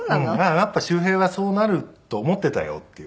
やっぱり修平はそうなると思っていたよっていう。